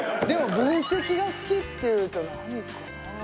でも分析が好きっていうと何かな？